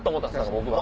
僕は。